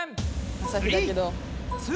朝日だけど。